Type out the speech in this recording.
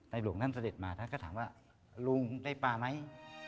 หลวงท่านเสด็จมาท่านก็ถามว่าลุงได้ปลาไหม